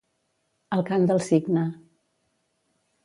El cant del cigne.